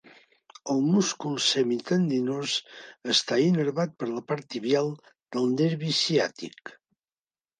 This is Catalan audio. El múscul semitendinós està innervat per la part tibial del nervi ciàtic.